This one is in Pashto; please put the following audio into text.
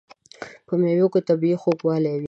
په مېوو کې طبیعي خوږوالی وي.